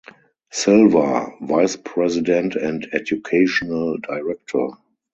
Silver, vice president and educational director.